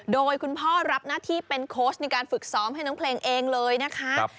โดยคุณพ่อรับหน้าที่เป็นโค้ชในการฝึกซ้อมให้น้องเพลงเองเลยนะคะ